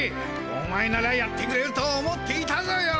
お前ならやってくれると思っていたぞよ。